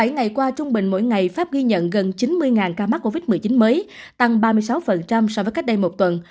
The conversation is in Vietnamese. bảy ngày qua trung bình mỗi ngày pháp ghi nhận gần chín mươi ca mắc covid một mươi chín mới tăng ba mươi sáu so với cách đây một tuần